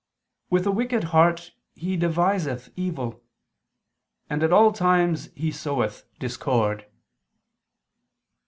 With a wicked heart he deviseth evil, and at all times he soweth discord."